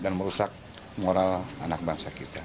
dan bisa memperbaiki moral anak bangsa kita